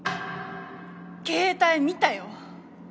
携帯見たよ